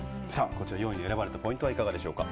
こちらを４位に選ばれたポイントはいかがでしょうか。